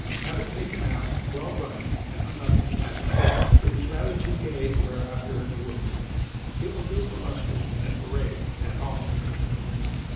Have it taken out, well brushed, and hung up in the attic. It is rather too gay to wear out here in the woods. It will do for musters and parades at home!"